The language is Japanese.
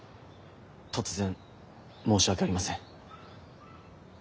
突然申し訳ありません。